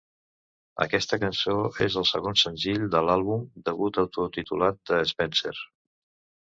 Aquesta cançó és el segon senzill de l'àlbum debut autotitulat de Spencer.